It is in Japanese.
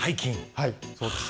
はいそうです。